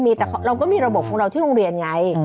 มีแต่เราก็มีระบบของเราที่โรงเรียนไง